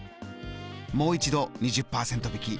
もう一度２０％引き。